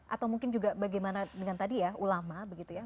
atau mungkin juga bagaimana dengan tadi ya ulama begitu ya